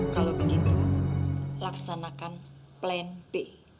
kalau begitu laksanakan plan b